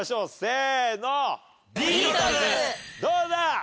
どうだ？